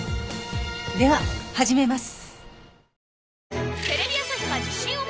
では始めます。